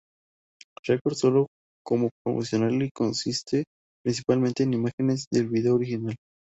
Records solo como promocional y consiste principalmente en imágenes del video original.